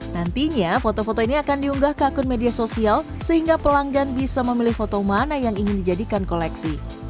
nantinya foto foto ini akan diunggah ke akun media sosial sehingga pelanggan bisa memilih foto mana yang ingin dijadikan koleksi